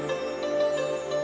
menyambut tahun baru imlek